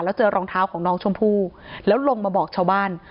แล้วเจอรองเท้าของน้องชมพู่แล้วลงมาบอกชาวบ้าน